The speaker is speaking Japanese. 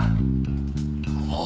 ああ。